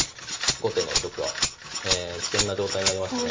後手の玉が危険な状態になりましたね。